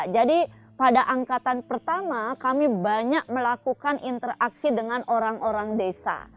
jadi pada angkatan pertama kami banyak melakukan interaksi dengan orang orang desa